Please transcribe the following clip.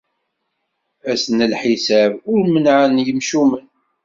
Ass n lḥisab, ur mennɛen yemcumen.